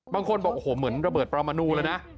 บางคนบอกเหมือนระเบิดปลามานูกนะคะ